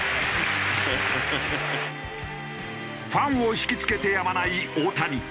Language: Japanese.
ファンを引き付けてやまない大谷。